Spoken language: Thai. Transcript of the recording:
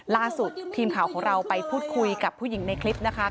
ล่าสุดทีมข่าวของเราไปพูดคุยกับผู้หญิงในคลิปนะคะ